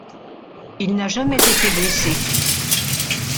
Il n'a jamais été blessé.